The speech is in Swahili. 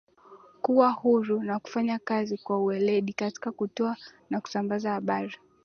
kuwa huru na kufanya kazi kwa uweledi katika kutoa na kusambaza habari